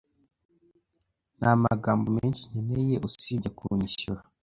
Nta magambo menshi nkeneye usibye kunyishura